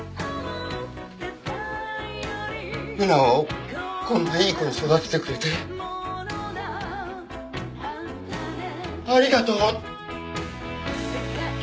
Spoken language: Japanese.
礼菜をこんないい子に育ててくれてありがとう。